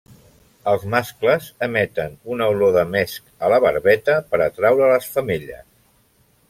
Els mascles emeten una olor de mesc a la barbeta per atraure les femelles.